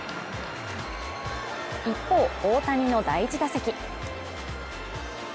一方、大谷の第１打席。